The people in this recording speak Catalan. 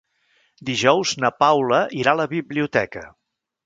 Dijous na Paula irà a la biblioteca.